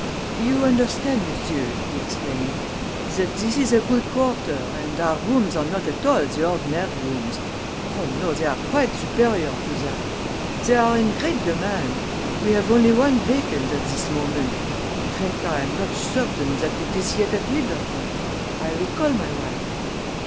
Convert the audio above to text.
"You understand, monsieur," he explained, "that this is a good quarter, and our rooms are not at all the ordinar' rooms oh, no, they are quite supérior to that. They are in great demand we have only one vacant at this moment in fact, I am not certain that it is yet at liberty. I will call my wife."